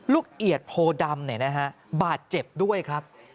ลูกเอียดโพดำเนี่ยนะฮะบาดเจ็บด้วยครับ